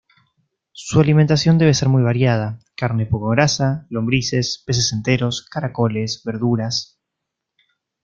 Su alimentación debe ser muy variada: carne poco grasa, lombrices, peces enteros, caracoles, verduras...